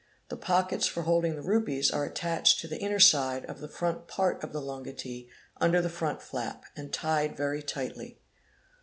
The pockets for holding the rupees are attached to the inner side of the front part of the lungotee under the front flap and tied very tightly.